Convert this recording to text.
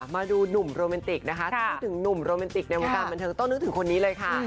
มาดูหนุ่มโรแมนติกนะคะถ้านึกถึงหนุ่มโรแมนติกในวงการบันเทิงต้องนึกถึงคนนี้เลยค่ะ